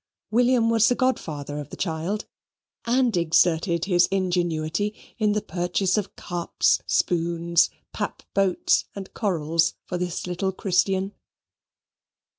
William was the godfather of the child, and exerted his ingenuity in the purchase of cups, spoons, pap boats, and corals for this little Christian.